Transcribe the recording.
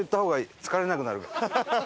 疲れなくなるから。